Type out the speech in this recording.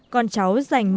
con cháu dành mọi thứ